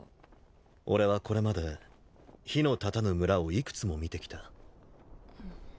俺はこれまで火のたたぬ村を幾つも見てきた。